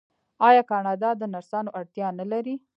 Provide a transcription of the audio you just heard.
آیا کاناډا د نرسانو اړتیا نلري؟